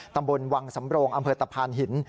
ตำบลวังสำโรงอำเภอตะพานหิน